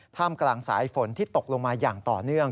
กลางสายฝนที่ตกลงมาอย่างต่อเนื่อง